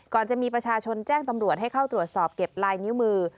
จะมีประชาชนแจ้งตำรวจให้เข้าตรวจสอบเก็บลายนิ้วมือ